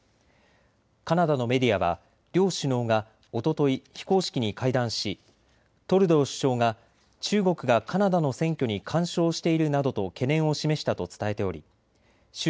カナダのメディアは両首脳がおととい非公式に会談しトルドー首相が中国がカナダの選挙に干渉しているなどと懸念を示したと伝えており習